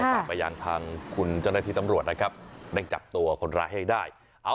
ฝากไปยังทางคุณเจ้าหน้าที่ตำรวจนะครับเร่งจับตัวคนร้ายให้ได้